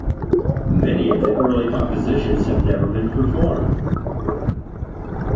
Many of the early compositions have never been performed.